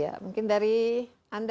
iya mungkin dari anda